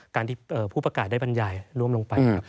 การที่ผู้ประกาศได้บรรยายร่วมลงไป